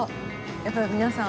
やっぱり皆さん